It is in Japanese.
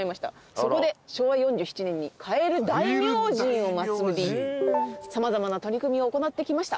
「そこで昭和４７年に『カエル大明神』を祀り様々な取り組みを行ってきました」